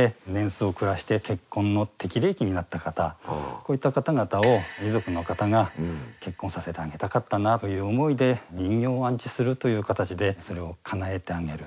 こういった方々を遺族の方が結婚させてあげたかったなという思いで人形を安置するという形でそれをかなえてあげる。